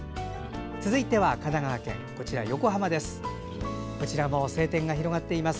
続いては神奈川県横浜です。